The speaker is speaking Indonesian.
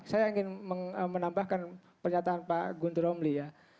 saya ingin menambahkan pernyataan pak guntur romli ya